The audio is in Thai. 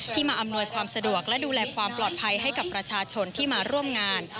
มาอำนวยความสะดวกและดูแลความปลอดภัยให้กับประชาชนที่มาร่วมงาน